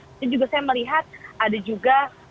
itu juga saya melihat ada juga